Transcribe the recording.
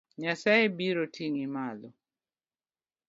Nyasaye biro ting'i malo.